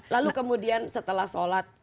lalu kemudian setelah sholat